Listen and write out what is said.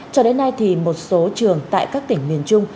cho đến nay thì một số trường tại các tỉnh miền trung